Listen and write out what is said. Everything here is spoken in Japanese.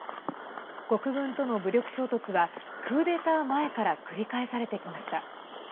国軍との武力衝突はクーデター前から繰り返されてきました。